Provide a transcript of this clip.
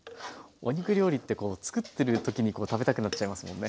お肉料理って作ってる時にこう食べたくなっちゃいますもんね。